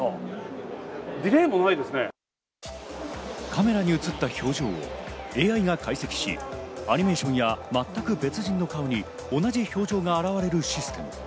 カメラに映った表情をＡＩが解析し、アニメーションや全く別人の顔に同じ表情が現れるシステム。